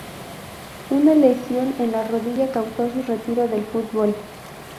Una lesión en la rodilla causó su retiro del fútbol.